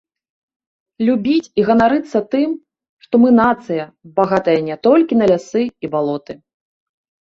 Любіць і ганарыцца тым, што мы нацыя, багатая не толькі на лясы і балоты.